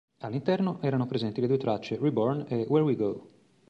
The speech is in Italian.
All'interno erano presenti le due tracce "Reborn" e "Where we go".